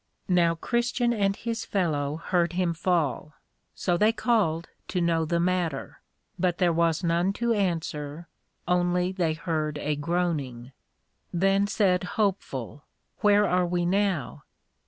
Now Christian and his fellow heard him fall. So they called to know the matter, but there was none to answer, only they heard a groaning. Then said Hopeful, Where are we now?